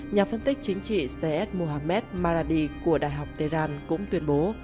nhà phân tích chính trị z s mohammed maradi của đại học tehran cũng tuyên bố